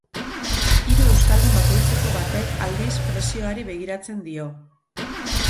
Hiru euskaldun bakoitzeko batek, aldiz, prezioari begiratzen dio.